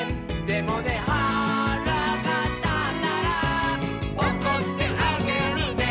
「でもねはらがたったら」「おこってあげるね」